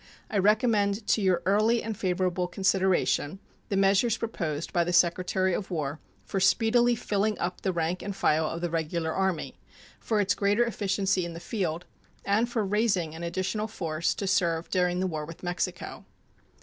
I recommend to your early and favorable consideration the measures proposed by the Secretary of War for speedily filling up the rank and file of the Regular Army, for its greater efficiency in the field, and for raising an additional force to serve during the war with Mexico.